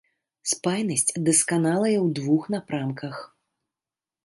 Спайнасць дасканалая ў двух напрамках.